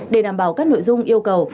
để đảm bảo các nội dung yêu cầu